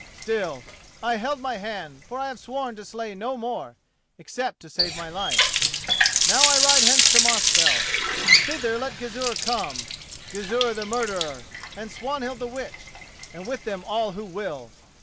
Still, I held my hand, for I have sworn to slay no more, except to save my life. Now I ride hence to Mosfell. Thither let Gizur come, Gizur the murderer, and Swanhild the witch, and with them all who will.